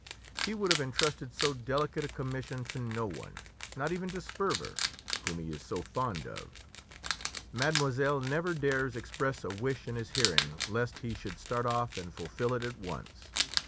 He would have entrusted so delicate a commission to no one, not even to Sperver, whom he is so fond of. Mademoiselle never dares express a wish in his hearing lest he should start off and fulfil it at once.